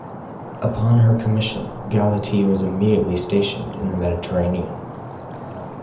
Upon her commission, "Galatea" was immediately stationed in the Mediterranean.